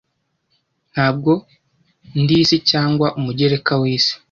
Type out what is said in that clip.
Ntabwo ndi isi cyangwa umugereka w'isi,